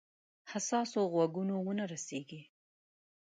حساسو غوږونو ونه رسیږي.